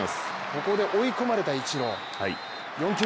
ここで追い込まれたイチロー、４球目。